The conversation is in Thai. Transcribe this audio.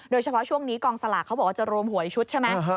โดยเฉพาะช่วงนี้กองสลากเขาบอกว่าจะรวมหวยชุดใช่ไหม